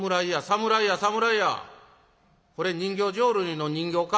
これ人形浄瑠璃の人形か？